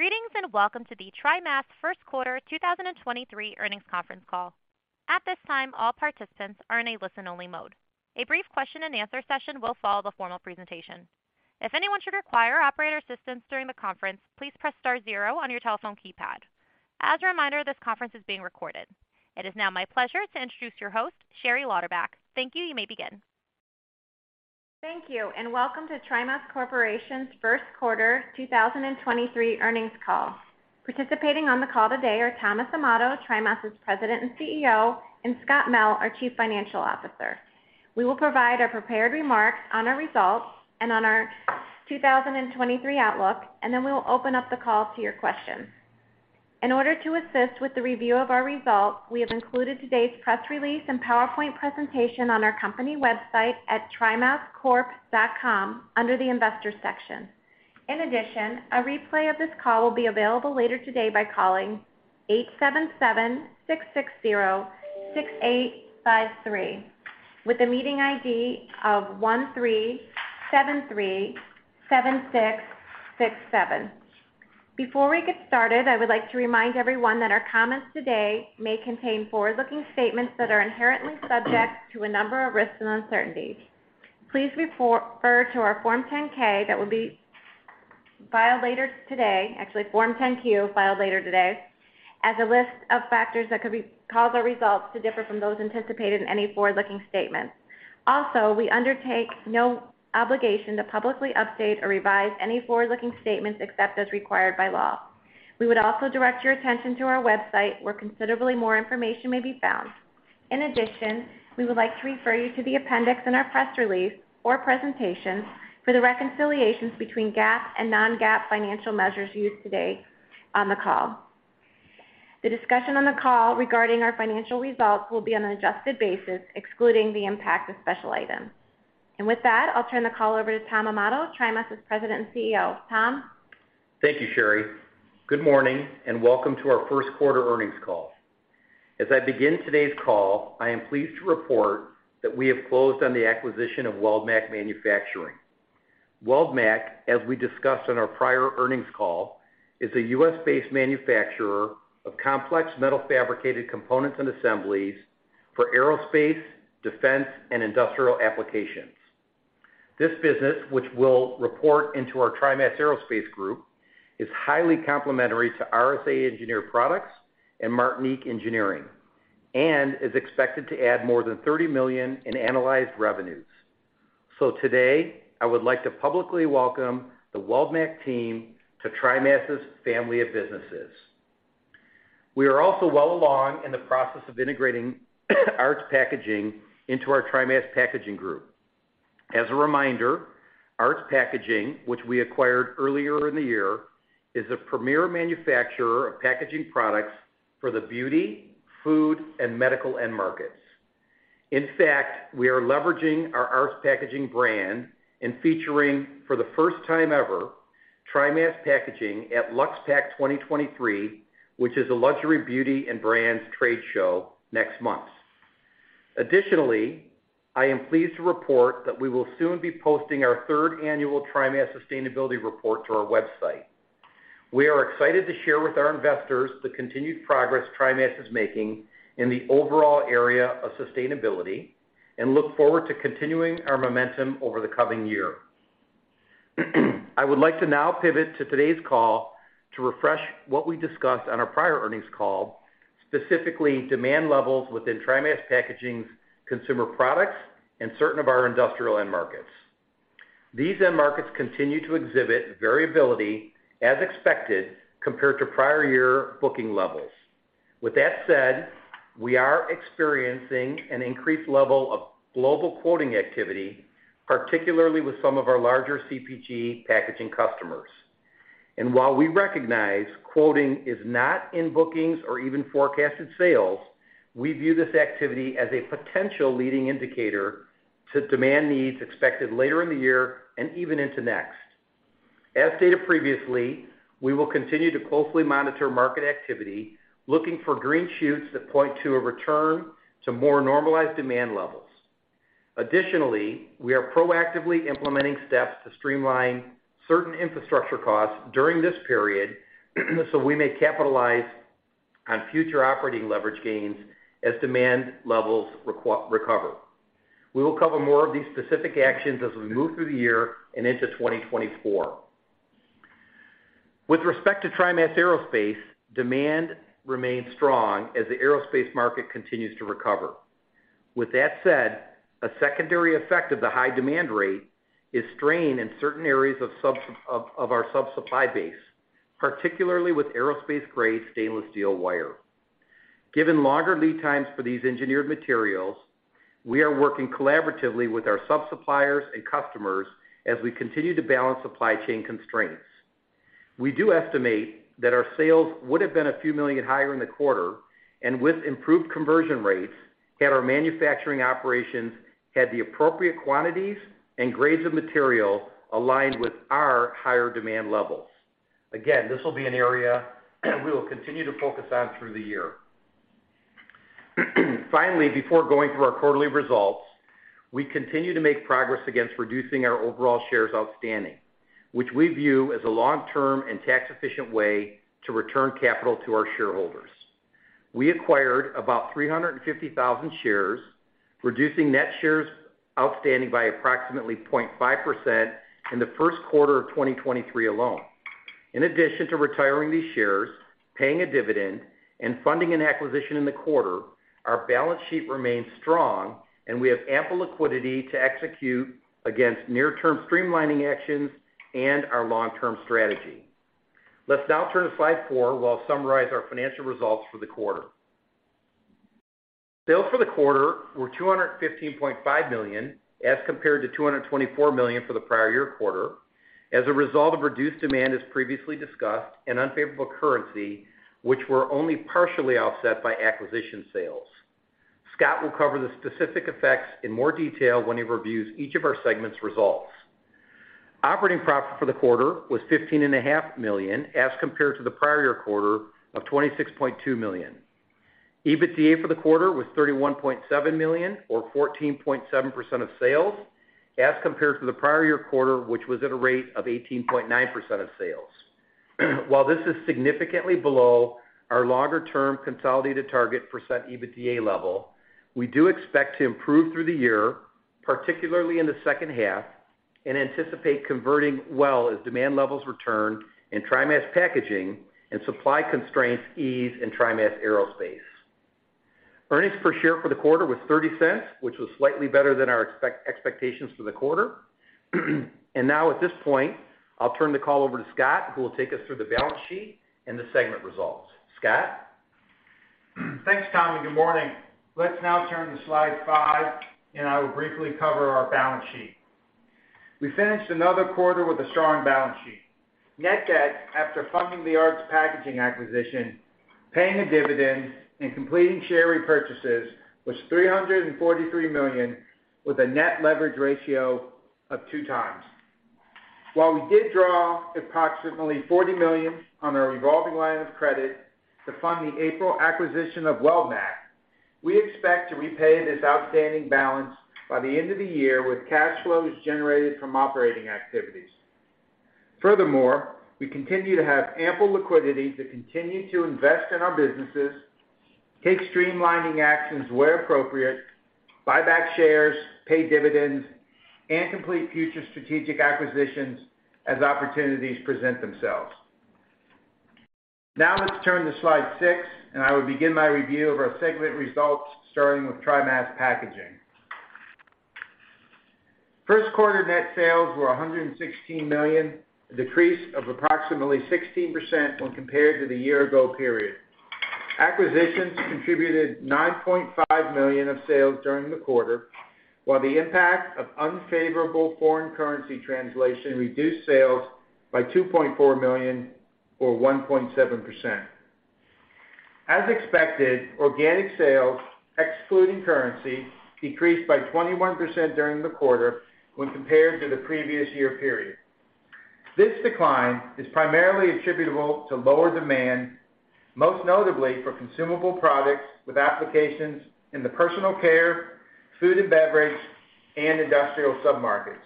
Greetings, welcome to the TriMas Q1 2023 earnings conference call. At this time, all participants are in a listen-only mode. A brief question-and-answer session will follow the formal presentation. If anyone should require operator assistance during the conference, please press star zero on your telephone keypad. A reminder, this conference is being recorded. It is now my pleasure to introduce your host, Sherry Lauderback. Thank you. You may begin. Thank you, and welcome to TriMas Corporation's Q1 2023 earnings call. Participating on the call today are Thomas Amato, TriMas' President and CEO, and Scott Mell, our Chief Financial Officer. We will provide our prepared remarks on our results and on our 2023 outlook, and then we will open up the call to your questions. In order to assist with the review of our results, we have included today's press release and PowerPoint presentation on our company website at trimascorp.com under the Investors section. In addition, a replay of this call will be available later today by calling 877-660-6853 with a meeting ID of 13737667. Before we get started, I would like to remind everyone that our comments today may contain forward-looking statements that are inherently subject to a number of risks and uncertainties. Please refer to our Form 10-K that will be filed later today, actually Form 10-Q filed later today, as a list of factors that cause our results to differ from those anticipated in any forward-looking statements. We undertake no obligation to publicly update or revise any forward-looking statements except as required by law. We would also direct your attention to our website, where considerably more information may be found. We would like to refer you to the appendix in our press release or presentation for the reconciliations between GAAP and non-GAAP financial measures used today on the call. The discussion on the call regarding our financial results will be on an adjusted basis, excluding the impact of special items. With that, I'll turn the call over to Tom Amato, TriMas' President and CEO. Tom? Thank you, Sherry. Good morning, and welcome to our Q1 earnings call. As I begin today's call, I am pleased to report that we have closed on the acquisition of Weldmac Manufacturing. Weldmac, as we discussed on our prior earnings call, is a U.S.-based manufacturer of complex metal fabricated components and assemblies for aerospace, defense, and industrial applications. This business, which will report into our TriMas Aerospace group, is highly complementary to RSA Engineered Products and Martinic Engineering, and is expected to add more than $30 million in analyzed revenues. Today, I would like to publicly welcome the Weldmac team to TriMas' family of businesses. We are also well along in the process of integrating Aarts Packaging into our TriMas Packaging group. As a reminder, Aarts Packaging, which we acquired earlier in the year, is a premier manufacturer of packaging products for the beauty, food, and medical end markets. In fact, we are leveraging our Aarts Packaging brand and featuring for the first time ever TriMas Packaging at LUXE PACK 2023, which is a luxury beauty and brands trade show next month. Additionally, I am pleased to report that we will soon be posting our third annual TriMas sustainability report to our website. We are excited to share with our investors the continued progress TriMas is making in the overall area of sustainability and look forward to continuing our momentum over the coming year. I would like to now pivot to today's call to refresh what we discussed on our prior earnings call, specifically demand levels within TriMas Packaging's consumer products and certain of our industrial end markets. These end markets continue to exhibit variability as expected compared to prior year booking levels. We are experiencing an increased level of global quoting activity, particularly with some of our larger CPG packaging customers. While we recognize quoting is not in bookings or even forecasted sales, we view this activity as a potential leading indicator to demand needs expected later in the year and even into next. As stated previously, we will continue to closely monitor market activity, looking for green shoots that point to a return to more normalized demand levels. We are proactively implementing steps to streamline certain infrastructure costs during this period so we may capitalize on future operating leverage gains as demand levels recover. We will cover more of these specific actions as we move through the year and into 2024. With respect to TriMas Aerospace, demand remains strong as the aerospace market continues to recover. With that said, a secondary effect of the high demand rate is strain in certain areas of our sub-supply base, particularly with aerospace-grade stainless steel wire. Given longer lead times for these engineered materials, we are working collaboratively with our sub-suppliers and customers as we continue to balance supply chain constraints. We do estimate that our sales would have been a few million higher in the quarter, and with improved conversion rates, had our manufacturing operations had the appropriate quantities and grades of material aligned with our higher demand levels. Again, this will be an area we will continue to focus on through the year. Finally, before going through our quarterly results, we continue to make progress against reducing our overall shares outstanding, which we view as a long-term and tax-efficient way to return capital to our shareholders. We acquired about 350,000 shares, reducing net shares outstanding by approximately 0.5% in the Q1 of 2023 alone. In addition to retiring these shares, paying a dividend, and funding an acquisition in the quarter, our balance sheet remains strong, and we have ample liquidity to execute against near-term streamlining actions and our long-term strategy. Let's now turn to slide 4, where I'll summarize our financial results for the quarter. Sales for the quarter were $215.5 million, as compared to $224 million for the prior year quarter, as a result of reduced demand, as previously discussed, and unfavorable currency, which were only partially offset by acquisition sales. Scott will cover the specific effects in more detail when he reviews each of our segments' results. Operating profit for the quarter was fifteen and a half million, as compared to the prior year quarter of $26.2 million. EBITDA for the quarter was $31.7 million or 14.7% of sales, as compared to the prior year quarter, which was at a rate of 18.9% of sales. While this is significantly below our longer-term consolidated target percent EBITDA level, we do expect to improve through the year, particularly in the second half, and anticipate converting well as demand levels return in TriMas Packaging and supply constraints ease in TriMas Aerospace. Earnings per share for the quarter was $0.30, which was slightly better than our expectations for the quarter. Now, at this point, I'll turn the call over to Scott, who will take us through the balance sheet and the segment results. Scott? Thanks, Tom, and good morning. Let's now turn to slide five. I will briefly cover our balance sheet. We finished another quarter with a strong balance sheet. Net debt, after funding the Aarts Packaging acquisition, paying a dividend, and completing share repurchases, was $343 million, with a net leverage ratio of two times. While we did draw approximately $40 million on our revolving line of credit to fund the April acquisition of Weldmac, we expect to repay this outstanding balance by the end of the year with cash flows generated from operating activities. Furthermore, we continue to have ample liquidity to continue to invest in our businesses, take streamlining actions where appropriate, buy back shares, pay dividends, and complete future strategic acquisitions as opportunities present themselves. Now let's turn to slide six. I will begin my review of our segment results, starting with TriMas Packaging. Q1 net sales were $116 million, a decrease of approximately 16% when compared to the year-ago period. Acquisitions contributed $9.5 million of sales during the quarter, while the impact of unfavorable foreign currency translation reduced sales by $2.4 million or 1.7%. As expected, organic sales, excluding currency, decreased by 21% during the quarter when compared to the previous year period. This decline is primarily attributable to lower demand, most notably for consumable products with applications in the personal care, food & beverage, and industrial submarkets.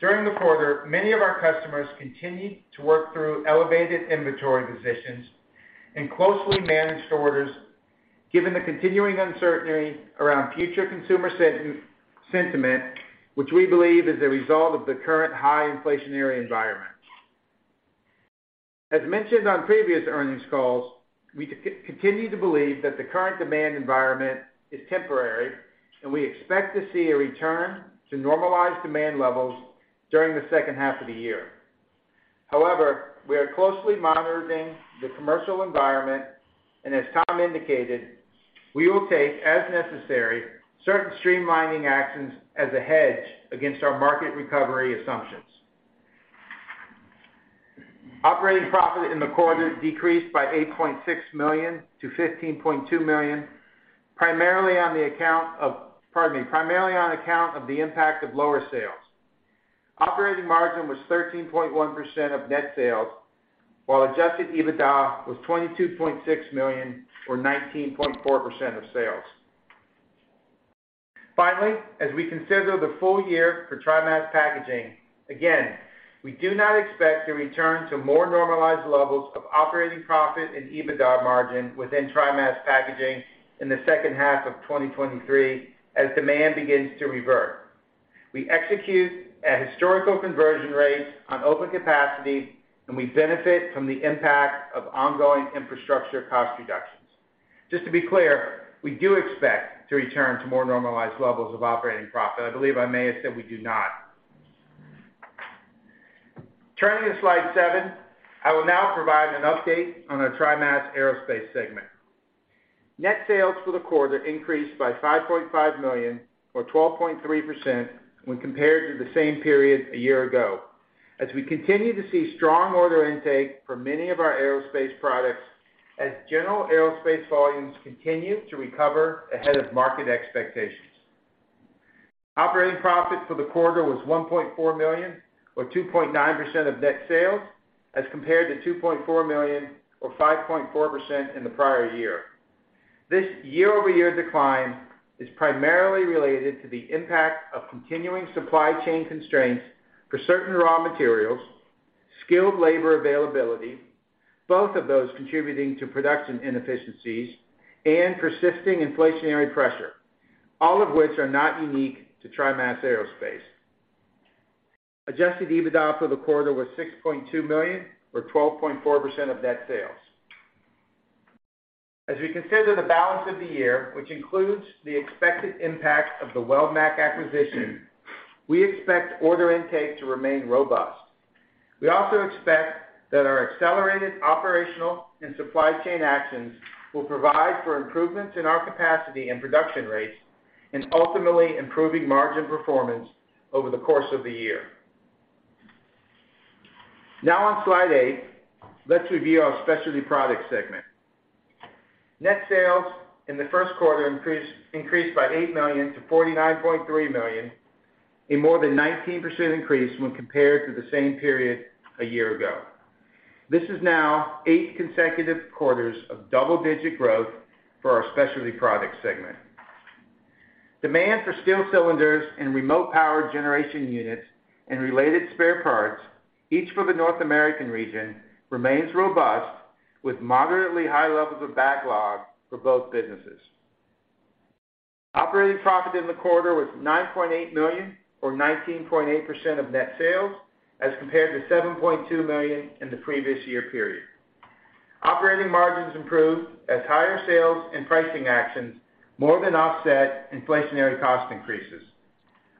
During the quarter, many of our customers continued to work through elevated inventory positions and closely managed orders, given the continuing uncertainty around future consumer sentiment, which we believe is a result of the current high inflationary environment. As mentioned on previous earnings calls, we continue to believe that the current demand environment is temporary, and we expect to see a return to normalized demand levels during the H2 of the year. However, we are closely monitoring the commercial environment, and as Tom indicated, we will take, as necessary, certain streamlining actions as a hedge against our market recovery assumptions. Operating profit in the quarter decreased by $8.6 million to $15.2 million, primarily on account of the impact of lower sales. Operating margin was 13.1% of net sales, while adjusted EBITDA was $22.6 million or 19.4% of sales. Finally, as we consider the full year for TriMas Packaging, again, we do not expect to return to more normalized levels of operating profit and EBITDA margin within TriMas Packaging in the H2 of 2023 as demand begins to revert. We execute at historical conversion rates on open capacity. We benefit from the impact of ongoing infrastructure cost reductions. Just to be clear, we do expect to return to more normalized levels of operating profit. I believe I may have said we do not. Turning to slide seven, I will now provide an update on our TriMas Aerospace segment. Net sales for the quarter increased by $5.5 million or 12.3% when compared to the same period a year ago as we continue to see strong order intake for many of our aerospace products as general aerospace volumes continue to recover ahead of market expectations. Operating profit for the quarter was $1.4 million, or 2.9% of net sales, as compared to $2.4 million or 5.4% in the prior year. This year-over-year decline is primarily related to the impact of continuing supply chain constraints for certain raw materials, skilled labor availability, both of those contributing to production inefficiencies, and persisting inflationary pressure, all of which are not unique to TriMas Aerospace. Adjusted EBITDA for the quarter was $6.2 million or 12.4% of net sales. As we consider the balance of the year, which includes the expected impact of the Weldmac acquisition, we expect order intake to remain robust. We also expect that our accelerated operational and supply chain actions will provide for improvements in our capacity and production rates, and ultimately improving margin performance over the course of the year. Now on slide eight, let's review our Specialty Products segment. Net sales in the Q1 increased by $8 million to $49.3 million, a more than 19% increase when compared to the same period a year ago. This is now eight consecutive quarters of double-digit growth for our Specialty Products segment. Demand for steel cylinders and remote power generation units and related spare parts, each for the North American region, remains robust, with moderately high levels of backlog for both businesses. Operating profit in the quarter was $9.8 million or 19.8% of net sales, as compared to $7.2 million in the previous year period. Operating margins improved as higher sales and pricing actions more than offset inflationary cost increases.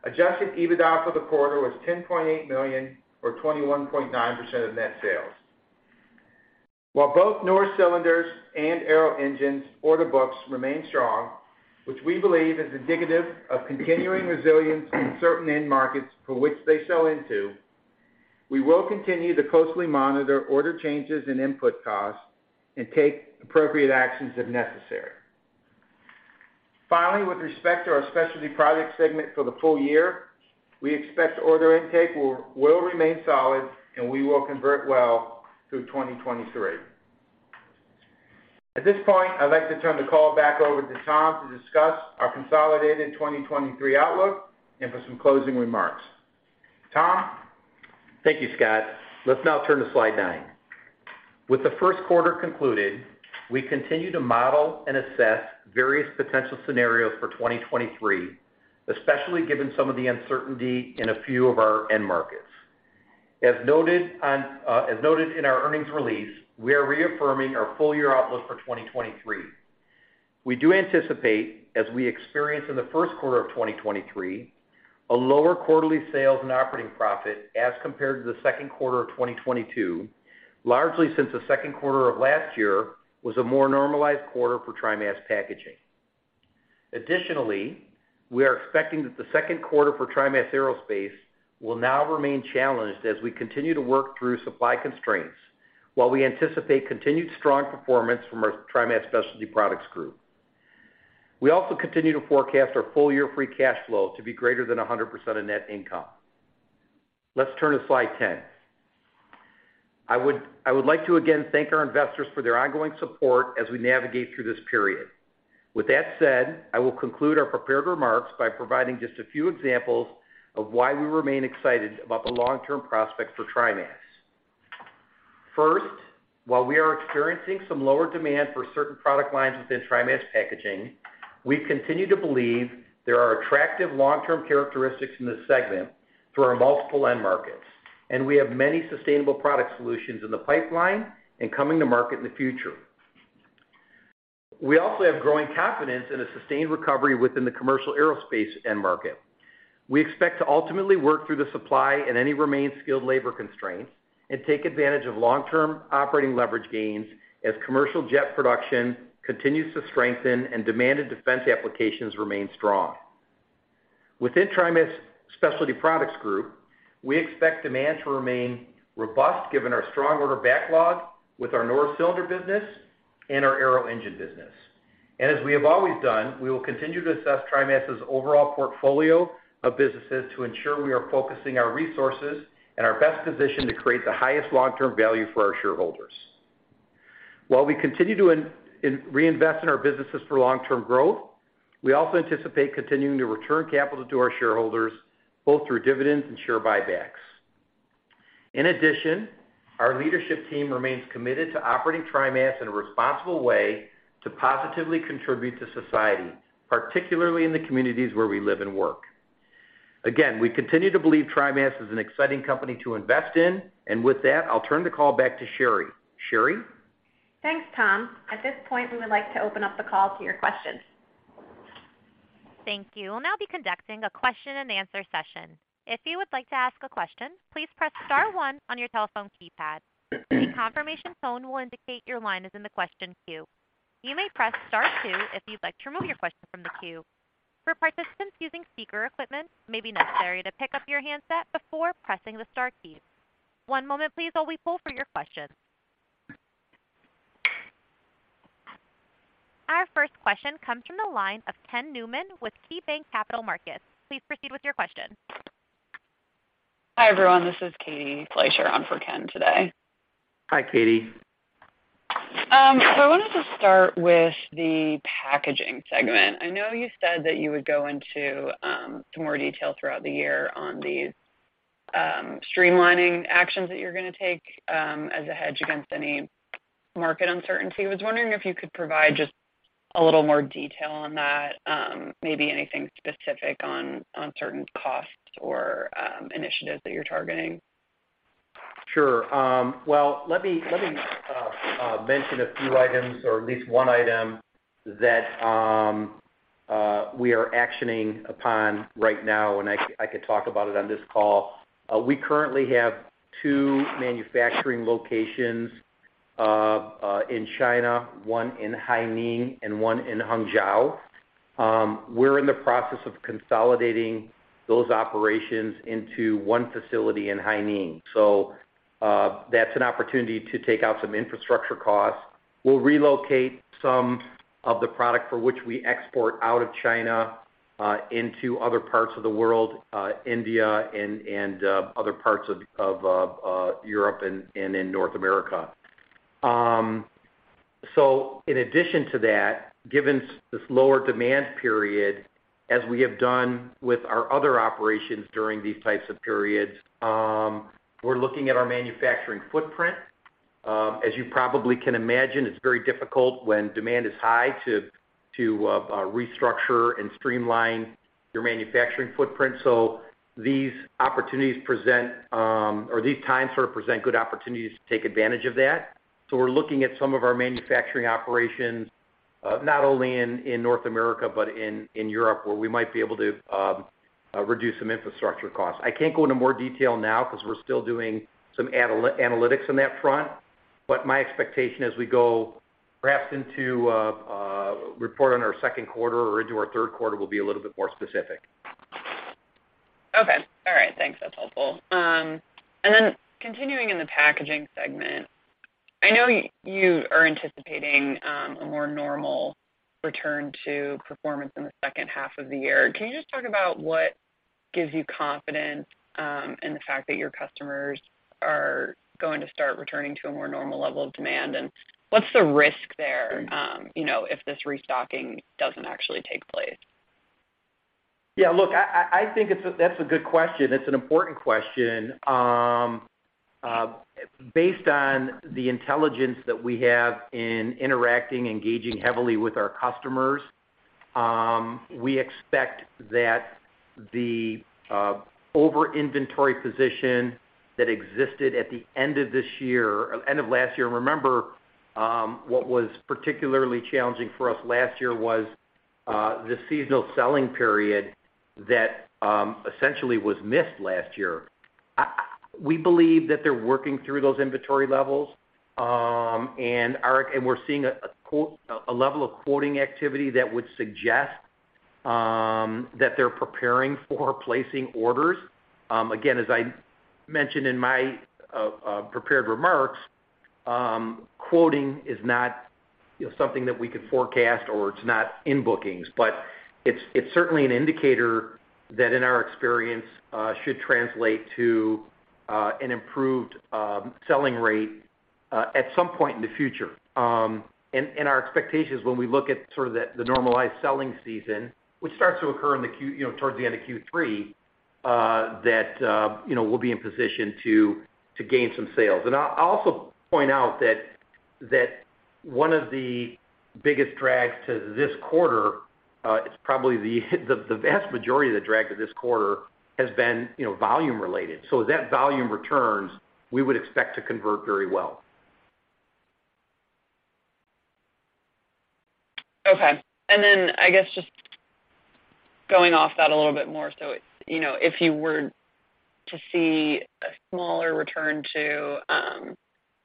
Adjusted EBITDA for the quarter was $10.8 million or 21.9% of net sales. While both Norris Cylinder and Arrow Engine order books remain strong, which we believe is indicative of continuing resilience in certain end markets for which they sell into, we will continue to closely monitor order changes and input costs and take appropriate actions if necessary. Finally, with respect to our Specialty Products segment for the full year, we expect order intake will remain solid, and we will convert well through 2023. At this point, I'd like to turn the call back over to Tom to discuss our consolidated 2023 outlook and for some closing remarks. Tom? Thank you, Scott. Let's now turn to slide nine. With the Q1 concluded, we continue to model and assess various potential scenarios for 2023, especially given some of the uncertainty in a few of our end markets. As noted in our earnings release, we are reaffirming our full year outlook for 2023. We do anticipate, as we experienced in the Q1 of 2023, a lower quarterly sales and operating profit as compared to the Q2 of 2022, largely since the Q2 of last year was a more normalized quarter for TriMas Packaging. Additionally, we are expecting that the Q2 for TriMas Aerospace will now remain challenged as we continue to work through supply constraints while we anticipate continued strong performance from our TriMas Specialty Products group. We also continue to forecast our full-year free cash flow to be greater than 100% of net income. Let's turn to slide 10. I would like to again thank our investors for their ongoing support as we navigate through this period. With that said, I will conclude our prepared remarks by providing just a few examples of why we remain excited about the long-term prospects for TriMas. First, while we are experiencing some lower demand for certain product lines within TriMas Packaging, we continue to believe there are attractive long-term characteristics in this segment through our multiple end markets, and we have many sustainable product solutions in the pipeline and coming to market in the future. We also have growing confidence in a sustained recovery within the commercial aerospace end market. We expect to ultimately work through the supply and any remaining skilled labor constraints and take advantage of long-term operating leverage gains as commercial jet production continues to strengthen and demand and defense applications remain strong. Within TriMas Specialty Products Group, we expect demand to remain robust given our strong order backlog with our Norris Cylinder business and our Arrow Engine business. As we have always done, we will continue to assess TriMas' overall portfolio of businesses to ensure we are focusing our resources and our best position to create the highest long-term value for our shareholders. While we continue to reinvest in our businesses for long-term growth, we also anticipate continuing to return capital to our shareholders, both through dividends and share buybacks. In addition, our leadership team remains committed to operating TriMas in a responsible way to positively contribute to society, particularly in the communities where we live and work. Again, we continue to believe TriMas is an exciting company to invest in. With that, I'll turn the call back to Sherry. Sherry? Thanks, Tom. At this point, we would like to open up the call to your questions. Thank you. We'll now be conducting a question and answer session. If you would like to ask a question, please press star one on your telephone keypad. A confirmation tone will indicate your line is in the question queue. You may press star two if you'd like to remove your question from the queue. For participants using speaker equipment, it may be necessary to pick up your handset before pressing the star key. One moment please while we pull for your questions. Our first question comes from the line of Ken Newman with KeyBanc Capital Markets. Please proceed with your question. Hi, everyone, this is Katie Fleischer on for Ken today. Hi, Katie. I wanted to start with the packaging segment. I know you said that you would go into some more detail throughout the year on the streamlining actions that you're gonna take as a hedge against any market uncertainty. I was wondering if you could provide just a little more detail on that, maybe anything specific on certain costs or initiatives that you're targeting? Sure. Well, let me mention a few items or at least one item that we are actioning upon right now, and I could talk about it on this call. We currently have two manufacturing locations in China, one in Haining and one in Hangzhou. We're in the process of consolidating those operations into one facility in Haining. That's an opportunity to take out some infrastructure costs. We'll relocate some of the product for which we export out of China into other parts of the world, India and other parts of Europe and in North America. In addition to that, given this lower demand period as we have done with our other operations during these types of periods, we're looking at our manufacturing footprint. As you probably can imagine, it's very difficult when demand is high to restructure and streamline your manufacturing footprint. These opportunities present or these times sort of present good opportunities to take advantage of that. We're looking at some of our manufacturing operations, not only in North America, but in Europe, where we might be able to reduce some infrastructure costs. I can't go into more detail now because we're still doing some analytics on that front. My expectation as we go perhaps into report on our Q2 or into our Q3 will be a little bit more specific. Okay. All right. Thanks. That's helpful. Continuing in the Packaging segment, I know you are anticipating a more normal return to performance in the H2 of the year. Can you just talk about what gives you confidence in the fact that your customers are going to start returning to a more normal level of demand? What's the risk there, you know, if this restocking doesn't actually take place? Yeah. Look, I think that's a good question. It's an important question. Based on the intelligence that we have in interacting, engaging heavily with our customers, we expect that the over-inventory position that existed at the end of this year, end of last year. Remember, what was particularly challenging for us last year was the seasonal selling period that essentially was missed last year. We believe that they're working through those inventory levels, and we're seeing a quote, a level of quoting activity that would suggest that they're preparing for placing orders. Again, as I mentioned in my prepared remarks, quoting is not, you know, something that we could forecast or it's not in bookings, but it's certainly an indicator that in our experience should translate to an improved selling rate at some point in the future. Our expectations when we look at sort of the normalized selling season, which starts to occur in the Q, you know, towards the end of Q3, that, you know, we'll be in position to gain some sales. I'll also point out that one of the biggest drags to this quarter is probably the vast majority of the drag to this quarter has been, you know, volume related. As that volume returns, we would expect to convert very well. I guess just going off that a little bit more, it's, you know, if you were to see a smaller return to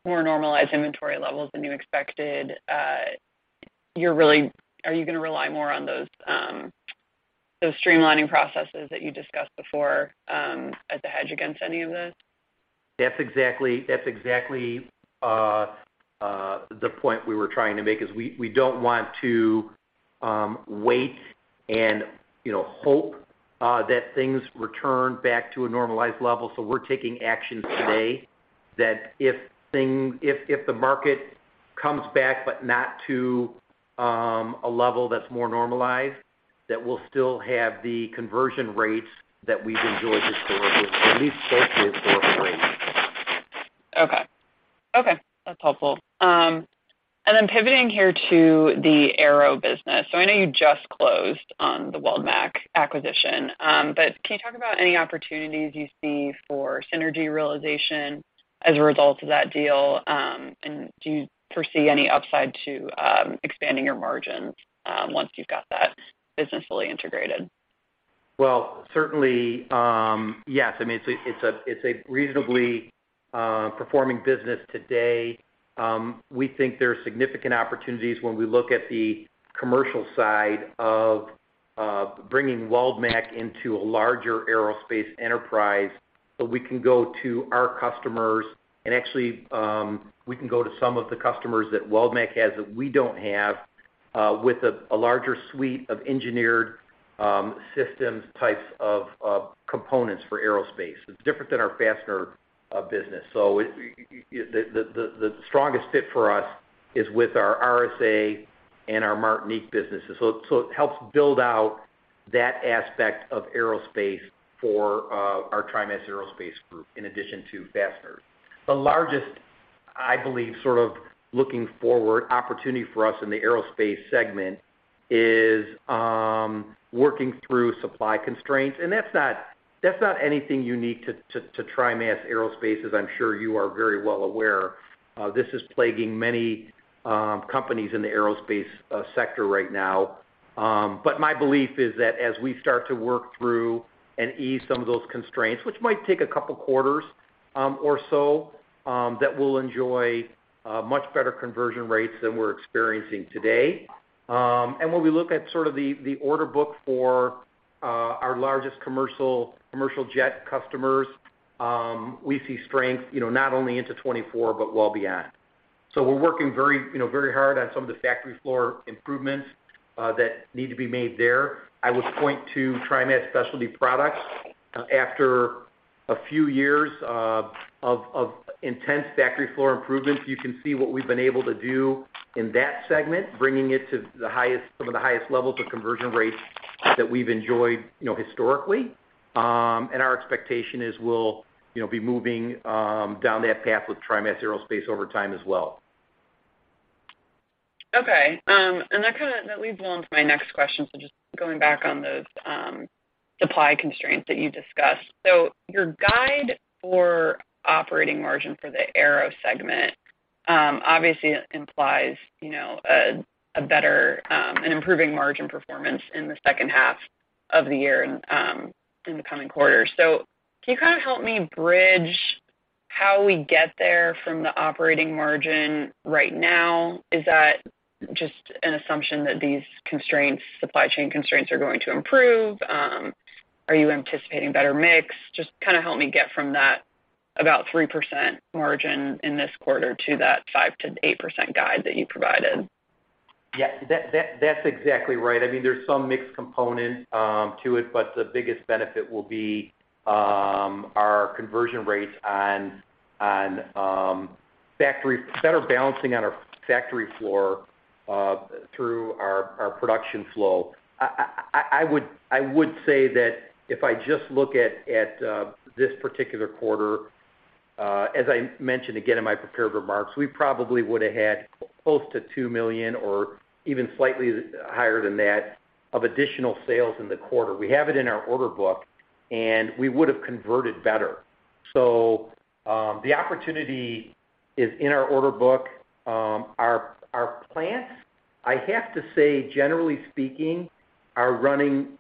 more normalized inventory levels than you expected, are you gonna rely more on those streamlining processes that you discussed before as a hedge against any of this? That's exactly the point we were trying to make is we don't want to wait and, you know, hope that things return back to a normalized level. We're taking actions today that if things, if the market comes back, but not to a level that's more normalized, that we'll still have the conversion rates that we've enjoyed historically, or at least close to historical rates. Okay. Okay. That's helpful. Then pivoting here to the aero business. I know you just closed on the Weldmac acquisition. Can you talk about any opportunities you see for synergy realization as a result of that deal? Do you foresee any upside to expanding your margins once you've got that business fully integrated? Well, certainly, yes, I mean, it's a, it's a, it's a reasonably performing business today. We think there are significant opportunities when we look at the commercial side of bringing Weldmac into a larger aerospace enterprise, so we can go to our customers, and actually, we can go to some of the customers that Weldmac has that we don't have, with a larger suite of engineered, systems types of components for aerospace. It's different than our fastener business. The strongest fit for us is with our RSA and our Martinic businesses. It helps build out that aspect of aerospace for our TriMas Aerospace group in addition to fasteners. The largest, I believe, sort of looking forward opportunity for us in the aerospace segment is working through supply constraints, and that's not, that's not anything unique to TriMas Aerospace, as I'm sure you are very well aware. This is plaguing many companies in the aerospace sector right now. My belief is that as we start to work through and ease some of those constraints, which might take a couple quarters or so, that we'll enjoy much better conversion rates than we're experiencing today. When we look at sort of the order book for our largest commercial jet customers, we see strength, you know, not only into 2024, but well beyond. We're working very, you know, very hard on some of the factory floor improvements that need to be made there. I would point to TriMas Specialty Products. After a few years of intense factory floor improvements, you can see what we've been able to do in that segment, bringing it to the highest, some of the highest levels of conversion rates that we've enjoyed, you know, historically. Our expectation is we'll, you know, be moving down that path with TriMas Aerospace over time as well. Okay. That leads well into my next question, just going back on those supply constraints that you discussed. Your guide for operating margin for the aero segment obviously implies, you know, a better, an improving margin performance in the H2 of the year and in the coming quarters. Can you kind of help me bridge how we get there from the operating margin right now? Is that just an assumption that these constraints, supply chain constraints, are going to improve? Are you anticipating better mix? Just kind of help me get from that about 3% margin in this quarter to that 5%-8% guide that you provided. Yeah. That's exactly right. I mean, there's some mixed component to it. The biggest benefit will be our conversion rates on Better balancing on our factory floor through our production flow. I would say that if I just look at this particular quarter, as I mentioned again in my prepared remarks, we probably would've had close to $2 million or even slightly higher than that of additional sales in the quarter. We have it in our order book. We would've converted better. The opportunity is in our order book. Our plants, I have to say, generally speaking, are running, you know,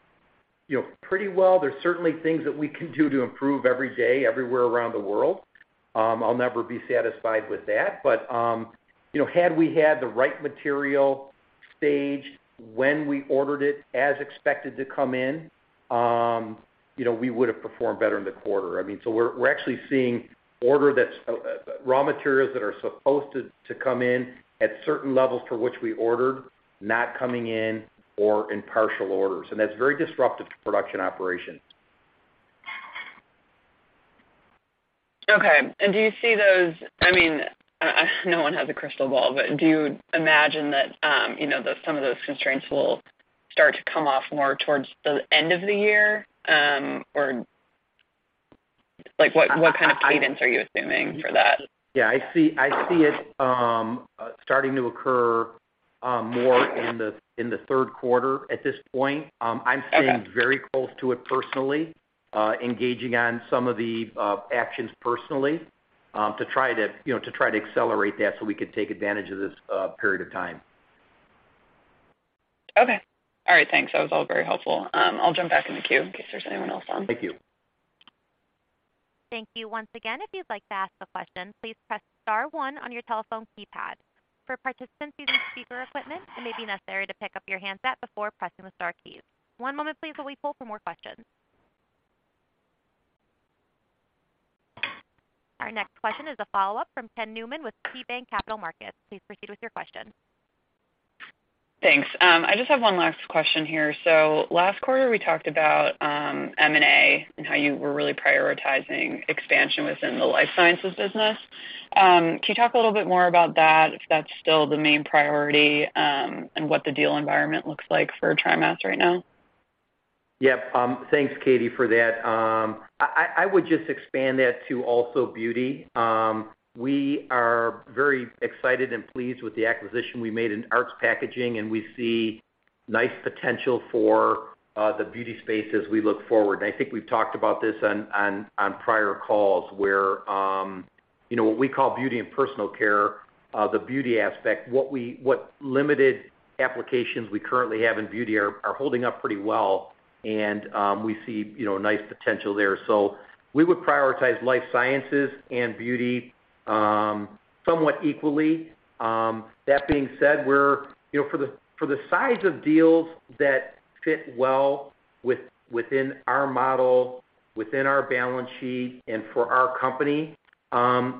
pretty well. There's certainly things that we can do to improve every day, everywhere around the world. I'll never be satisfied with that. You know, had we had the right material staged when we ordered it as expected to come in, you know, we would've performed better in the quarter. I mean, we're actually seeing order that's raw materials that are supposed to come in at certain levels for which we ordered, not coming in or in partial orders, and that's very disruptive to production operations. Okay. Do you see those... I mean, no one has a crystal ball, but do you imagine that, you know, some of those constraints will start to come off more towards the end of the year? Like, what kind of cadence are you assuming for that? Yeah. I see it starting to occur more in the Q3 at this point. I'm sitting very close to it personally, engaging on some of the actions personally, to try to, you know, accelerate that so we can take advantage of this period of time. Okay. All right. Thanks. That was all very helpful. I'll jump back in the queue in case there's anyone else on. Thank you. Thank you once again. If you'd like to ask a question, please press star one on your telephone keypad. For participants using speaker equipment, it may be necessary to pick up your handset before pressing the star keys. One moment please while we pull for more questions. Our next question is a follow-up from Ken Newman with KeyBanc Capital Markets. Please proceed with your question. Thanks. I just have one last question here. Last quarter, we talked about M&A and how you were really prioritizing expansion within the life sciences business. Can you talk a little bit more about that, if that's still the main priority, and what the deal environment looks like for TriMas right now? Yep. Thanks, Katie, for that. I would just expand that to also beauty. We are very excited and pleased with the acquisition we made in Aarts Packaging, and we see nice potential for the beauty space as we look forward. I think we've talked about this on prior calls, where, you know, what we call beauty and personal care, the beauty aspect, what we, what limited applications we currently have in beauty are holding up pretty well, and we see, you know, nice potential there. We would prioritize life sciences and beauty somewhat equally. That being said, we're, you know, for the size of deals that fit well within our model, within our balance sheet, and for our company,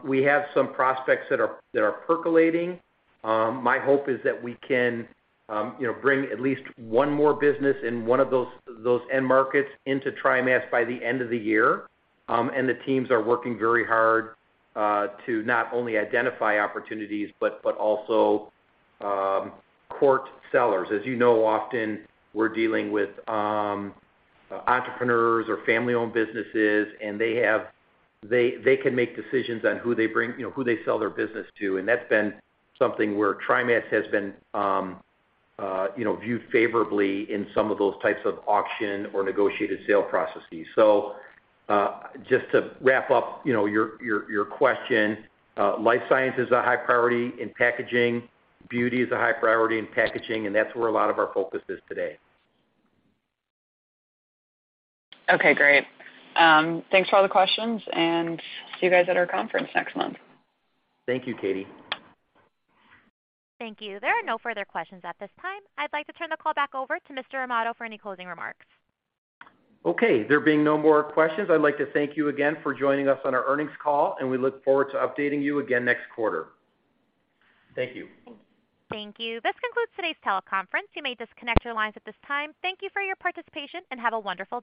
we have some prospects that are percolating. My hope is that we can, you know, bring at least one more business in one of those end markets into TriMas by the end of the year. The teams are working very hard to not only identify opportunities, but also court sellers. As you know, often we're dealing with entrepreneurs or family-owned businesses, and they can make decisions on who they bring, you know, who they sell their business to, and that's been something where TriMas has been, you know, viewed favorably in some of those types of auction or negotiated sale processes. Just to wrap up, you know, your question, life science is a high priority in packaging. Beauty is a high priority in packaging, and that's where a lot of our focus is today. Okay, great. Thanks for all the questions, and see you guys at our conference next month. Thank you, Katie. Thank you. There are no further questions at this time. I'd like to turn the call back over to Mr. Amato for any closing remarks. Okay. There being no more questions, I'd like to thank you again for joining us on our earnings call. We look forward to updating you again next quarter. Thank you. Thank you. This concludes today's teleconference. You may disconnect your lines at this time. Thank you for your participation, and have a wonderful day.